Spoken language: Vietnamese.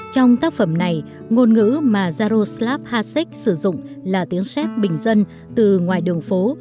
trong tác phẩm này ngôn ngữ mà daroslahan xéc sử dụng là tiếng xéc bình dân từ ngoài đường phố